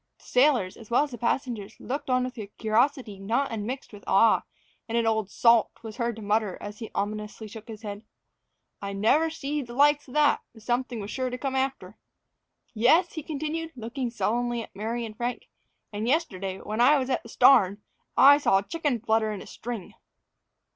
The sailors, as well as passengers, looked on with a curiosity not unmixed with awe, and an old "salt" was heard to mutter, as he ominously shook his head, "I never seed the likes of that but something was sure to come after. Yes," he continued, looking sullenly at Mary and Frank, "and yesterday, when I was at the starn, I saw a chicken flutter in a string."